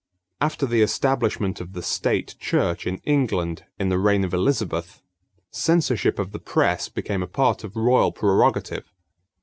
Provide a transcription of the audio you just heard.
After the establishment of the State Church in England in the reign of Elizabeth, censorship of the press became a part of royal prerogative.